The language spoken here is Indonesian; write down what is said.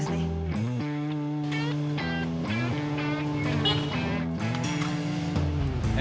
nanti kita cari